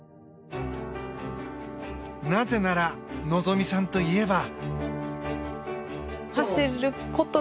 なぜなら、希実さんといえば。